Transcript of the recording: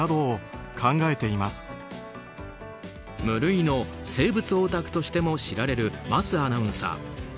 無類の生物オタクとしても知られる桝アナウンサー。